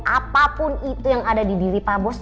apapun itu yang ada di diri pak bos